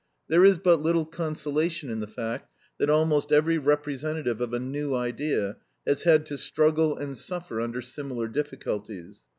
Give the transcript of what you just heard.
There is but little consolation in the fact that almost every representative of a new idea has had to struggle and suffer under similar difficulties.